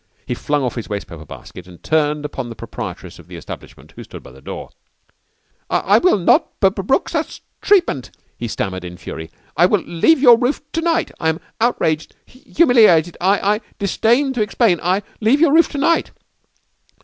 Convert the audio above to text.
He flung off his wastepaper basket and turned upon the proprietress of the establishment who stood by the door. "I will not brook such treatment," he stammered in fury. "I leave your roof to night. I am outraged humiliated. I I disdain to explain. I leave your roof to night."